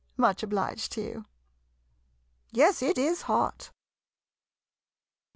Much obliged to you. Yes, it is hot